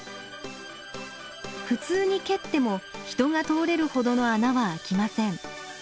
普通に蹴っても人が通れるほどの穴は開きません。